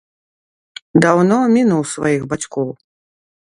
Даўно мінуў сваіх бацькоў.